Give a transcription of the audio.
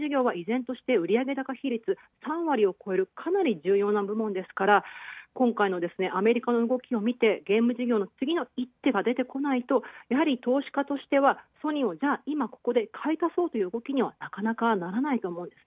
ただゲーム事業は売上高比率、３割を超えるかなり重要な部門ですから今回のアメリカの動きを見て次の一手が出てこないと、やはり投資家としてはソニーは今ここで買い足そうという動きにはなかなかならないと思う。